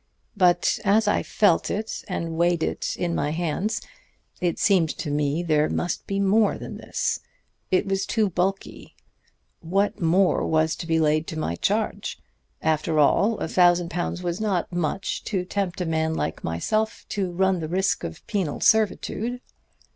But as I felt it and weighed it in my hands it seemed to me there must be more than this. It was too bulky. What more was to be laid to my charge? After all, a thousand pounds was not much to tempt a man like myself to run the risk of penal servitude.